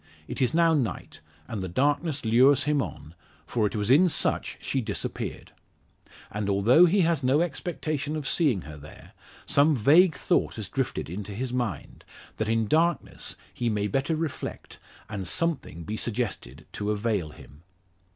It is now night, and the darkness lures him on; for it was in such she disappeared. And although he has no expectation of seeing her there, some vague thought has drifted into his mind, that in darkness he may better reflect, and something be suggested to avail him.